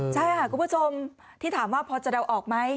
ใช่ค่ะคุณผู้ชมที่ถามว่าพอจะเดาออกไหม